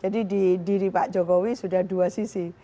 jadi di diri pak jokowi sudah dua sisi